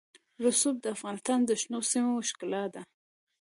رسوب د افغانستان د شنو سیمو ښکلا ده.